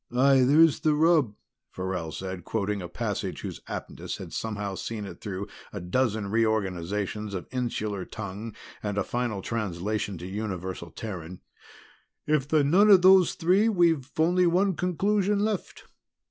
"Aye, there's the rub," Farrell said, quoting a passage whose aptness had somehow seen it through a dozen reorganizations of insular tongue and a final translation to universal Terran. "If they're none of those three, we've only one conclusion left.